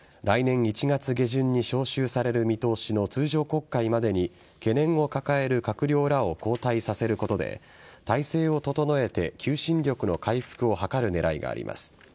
来年１月下旬に召集される見通しの通常国会までに懸念を抱える閣僚らを交代させることで体制を整えて求心力の回復を図る狙いがあります。